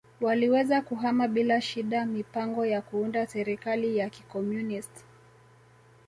waliweza kuhama bila shida mipango ya kuunda serikali ya kikomunist